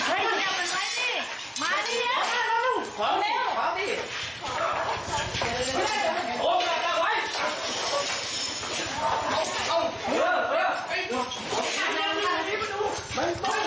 ขอบเรื่องขอบเรื่อง